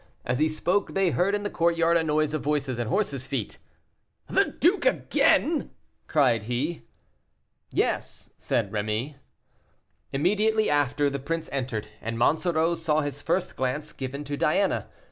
As he spoke, they heard in the courtyard a noise of voices and horses' feet. "The duke again!" cried he. "Yes," said Rémy. Immediately after the prince entered, and Monsoreau saw his first glance given to Diana.